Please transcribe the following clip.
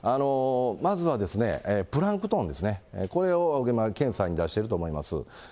まずはプランクトンですね、これを検査に出してると思います。